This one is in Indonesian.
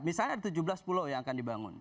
misalnya ada tujuh belas pulau yang akan dibangun